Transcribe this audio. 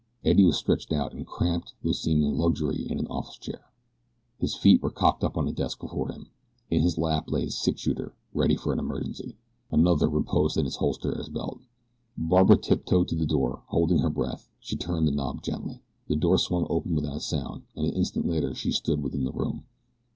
Eddie was stretched out in cramped though seeming luxury in an office chair. His feet were cocked up on the desk before him. In his lap lay his six shooter ready for any emergency. Another reposed in its holster at his belt. Barbara tiptoed to the door. Holding her breath she turned the knob gently. The door swung open without a sound, and an instant later she stood within the room.